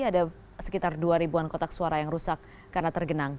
ada sekitar dua ribuan kotak suara yang rusak karena tergenang air